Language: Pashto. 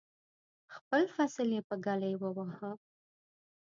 خپل فصل یې په ږلۍ وواهه.